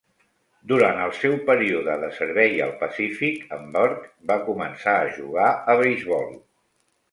Durant el seu període de servei al Pacífic, en Burke va començar a jugar a beisbol.